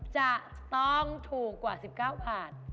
จะต้องถูกกว่า๑๙บาท